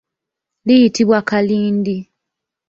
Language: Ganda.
Liyitibwa kalindi.